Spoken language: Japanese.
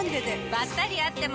ばったり会っても。